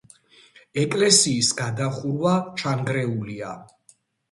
ეკლესიის გადახურვა ჩანგრეულია.